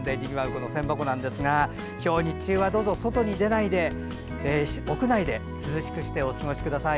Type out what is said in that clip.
この千波湖ですが今日、日中はどうぞどうぞ、外に出ないで屋内で涼しくしてお過ごしください。